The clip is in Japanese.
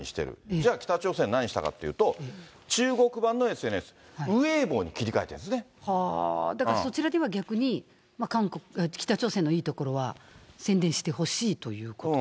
じゃあ北朝鮮、何したかというと、中国版のＳＮＳ、だからそちらでは逆に、北朝鮮のいいところは宣伝してほしいということで。